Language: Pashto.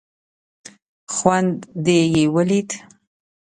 خوند دې یې ولید.